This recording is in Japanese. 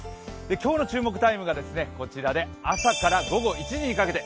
今日の注目タイムがこちらで朝から午後１時にかけて。